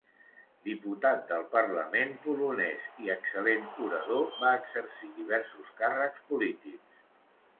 Diputat del Parlament polonès i excel·lent orador, va exercir diversos càrrecs polítics.